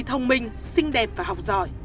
thông minh xinh đẹp và học giỏi